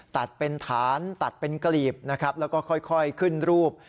ตัดเป็นฐานตัดเป็นกลีบนะครับแล้วก็ค่อยขึ้นรูป